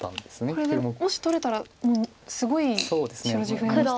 これでもし取れたらもうすごい白地増えましたよね。